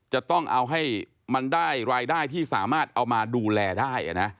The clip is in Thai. จะต้องเอาให้มันได้รายได้ที่สามารถเอามาดูแลได้